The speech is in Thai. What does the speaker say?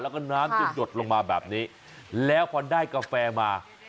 แล้วก็น้ำจะหยดลงมาแบบนี้แล้วพอได้กาแฟมา